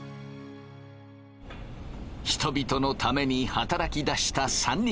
人々のために働きだした３人。